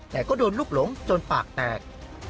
แต่ก็โดนลูกหลงจนปากแตก